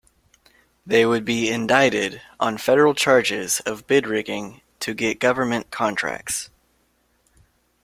They would be indicted on federal charges of bid rigging to get government contracts.